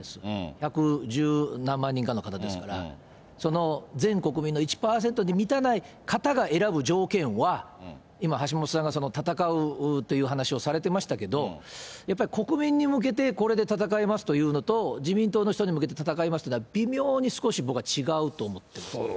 百十何万人の方ですから、その全国民の１％に満たない方が選ぶ条件は、今、橋下さんが戦うという話をされてましたから、やっぱり国民に向けて、これで戦いますというのと、自民党の人に向けて戦いますっていうのは、微妙にちょっと僕は違うと思ってます。